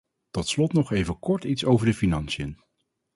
Tot slot nog even kort iets over de financiën.